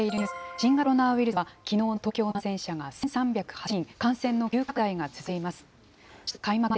新型コロナウイルスは、きのうの東京の感染者が１３０８人、感染の急拡大が続いています。